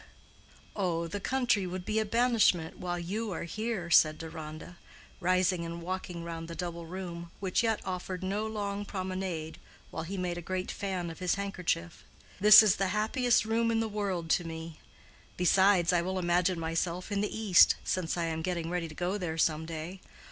'" "Oh, the country would be a banishment while you are here," said Deronda, rising and walking round the double room, which yet offered no long promenade, while he made a great fan of his handkerchief. "This is the happiest room in the world to me. Besides, I will imagine myself in the East, since I am getting ready to go there some day.